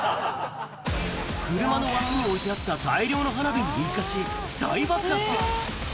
車の脇に置いてあった大量の花火に引火し、大爆発。